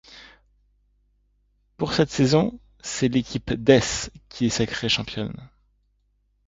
Pour cette saison, c'est l'équipe ' des ' qui est sacrée championne.